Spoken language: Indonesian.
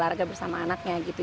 targa bersama anaknya gitu